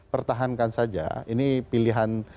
pertahankan saja ini pilihan